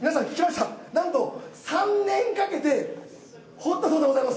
なんと３年かけて掘ったそうでございます。